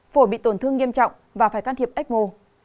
phổi bị tổn thương nghiêm trọng và phải can thiệp ecmo